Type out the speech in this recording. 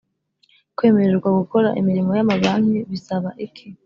kwemererwa gukora imirimo yamabanki bisaba iki